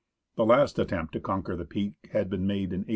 The last attempt to conquer the peak had been made in 1891.